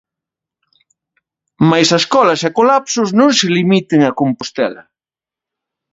Mais as colas e colapsos non se limiten a Compostela.